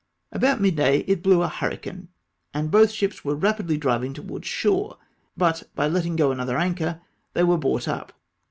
About midday it blew a hurricane, and both ships were rapidly driving towards shore, but by letting go another anchor they were brought up.